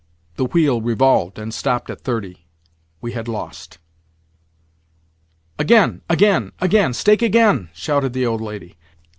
The wheel revolved, and stopped at thirty. We had lost! "Again, again, again! Stake again!" shouted the old lady.